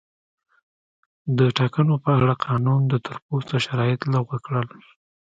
د ټاکنو په اړه قانون د تور پوستو شرایط لغوه شول.